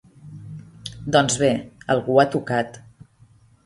Doncs bé, algú ho ha tocat.